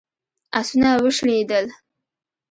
آسونه وشڼېدل.